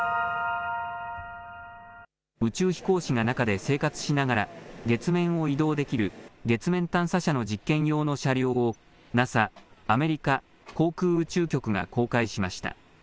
宇宙飛行士が中で生活しながら月面を移動できる月面探査車の実験用の車両をＮＡＳＡ・アメリカ航空宇宙局が公開しました。